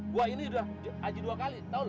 gua ini udah haji dua kali tau lu